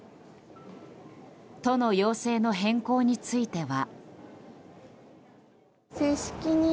都の要請の変更については。